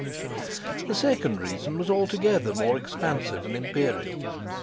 The second reason was altogether more expansive and imperial.